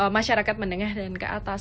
masyarakat menengah dan ke atas